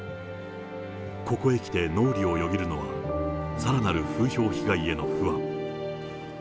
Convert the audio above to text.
ここへきて脳裏をよぎるのは、さらなる風評被害への不安。